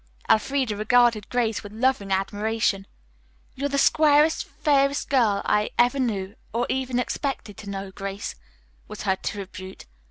Elfreda regarded Grace with loving admiration. "You're the squarest, fairest girl I ever knew or even expect to know, Grace," was her tribute.